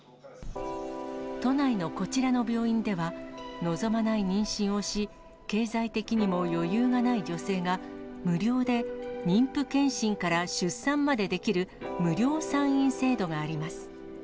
都内のこちらの病院では、望まない妊娠をし、経済的にも余裕がない女性が、無料で妊婦健診から出産までできる、無料産院制度があります。